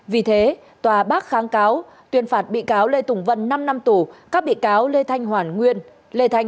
vì thế tòa bác kháng cáo tuyên phạt bị cáo lê tùng vân năm năm tù các bị cáo lê thanh hoàn nguyên lê thanh